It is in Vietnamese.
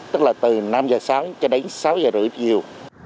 tức là từ năm giờ sáng cho đến sáu giờ chiều